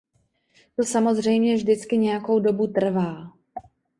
To samozřejmě vždycky nějakou dobu trvá.